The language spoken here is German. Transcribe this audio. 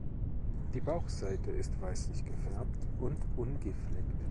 Die Bauchseite ist weißlich gefärbt und ungefleckt.